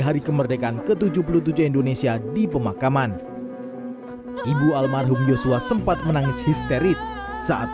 hari kemerdekaan ke tujuh puluh tujuh indonesia di pemakaman ibu almarhum yosua sempat menangis histeris saat